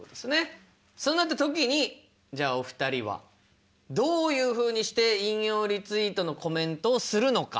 そうなった時にじゃあお二人はどういうふうにして引用リツイートのコメントをするのか。